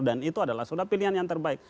dan itu adalah sudah pilihan yang terbaik